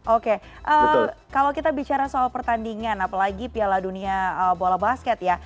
oke kalau kita bicara soal pertandingan apalagi piala dunia bola basket ya